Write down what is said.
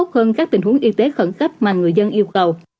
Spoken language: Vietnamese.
tốt hơn các tình huống y tế khẩn cấp mà người dân yêu cầu